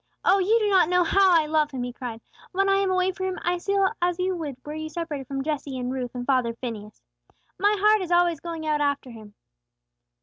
Oh, you do not know how I love Him!" he cried. "When I am away from Him, I feel as you would were you separated from Jesse and Ruth and father Phineas. My heart is always going out after Him!"